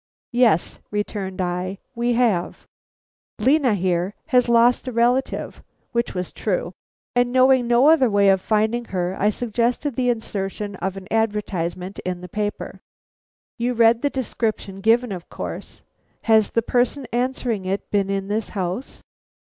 "Yes," returned I, "we have. Lena here, has lost a relative (which was true), and knowing no other way of finding her, I suggested the insertion of an advertisement in the paper. You read the description given, of course. Has the person answering it been in this house?"